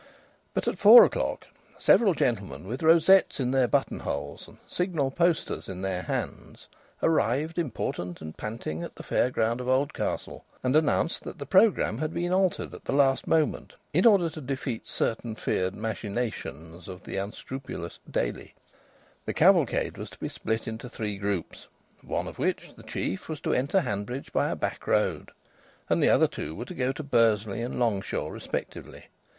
But at four o'clock several gentlemen with rosettes in their button holes and Signal posters in their hands arrived important and panting at the fair ground at Oldcastle, and announced that the programme had been altered at the last moment, in order to defeat certain feared machinations of the unscrupulous Daily. The cavalcade was to be split into three groups, one of which, the chief, was to enter Hanbridge by a "back road," and the other two were to go to Bursley and Longshaw respectively.